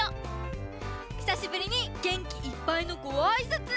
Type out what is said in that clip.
ひさしぶりにげんきいっぱいのごあいさつ。